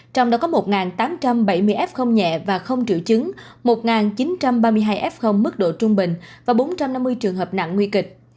trong đó có một tám trăm bảy mươi f nhẹ và không triệu chứng một chín trăm ba mươi hai f mức độ trung bình và bốn trăm năm mươi trường hợp nặng nguy kịch